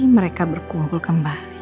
mereka berkumpul kembali